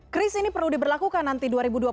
kris ini perlu diberlakukan nanti dua ribu dua puluh empat